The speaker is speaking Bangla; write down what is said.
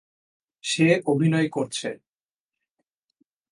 সে অভিনয় করছে।